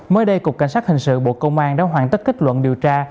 mới đây cục cảnh sát hình sự bộ công an đã hoàn tất kết luận điều tra